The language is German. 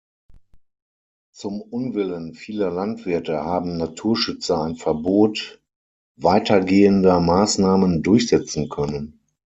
Zum Unwillen vieler Landwirte haben Naturschützer ein Verbot weitergehender Maßnahmen durchsetzen können.